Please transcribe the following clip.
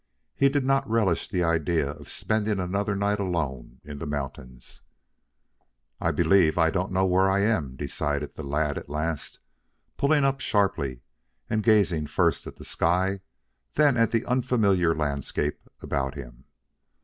He did not relish the idea of spending another night alone in the mountains. "I believe I don't know where I am," decided the lad at last, pulling up sharply and gazing first at the sky, then at the unfamiliar landscape about him.